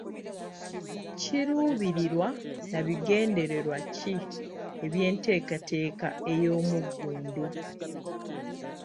Kiruubirirwa na bigendererwa ki eby'enteekateeka ey'omuggundu?